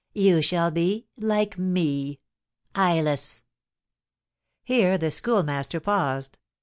You shall be, like me, eyeless!" Here the Schoolmaster paused.